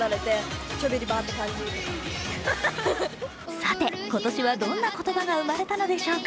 さて、今年はどんな言葉が生まれたのでしょうか。